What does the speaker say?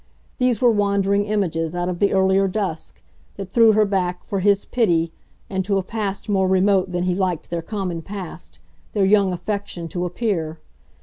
These were wandering images, out of the earlier dusk, that threw her back, for his pity, into a past more remote than he liked their common past, their young affection, to appear.